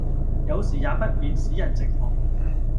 有時也不免使人寂寞，